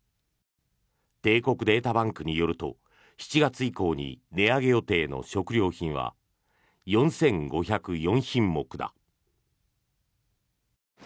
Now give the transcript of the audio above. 帝国データバンクによると７月以降に値上げ予定の食料品は４５０４品目だ。